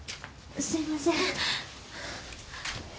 すいません。